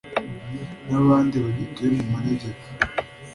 n’abandi bagituye mu manegeka